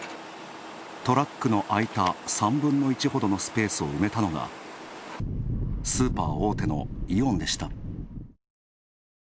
トラックの空いた３分の１ほどのスペースを埋めたのが、スーパー大手のイオンでした。